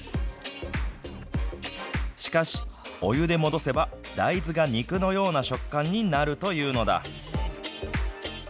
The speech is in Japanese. しかし、お湯で戻せば大豆が肉のような食感になるというのだ。